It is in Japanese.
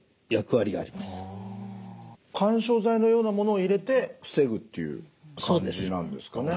緩衝材のようなものを入れて防ぐっていう感じなんですかね。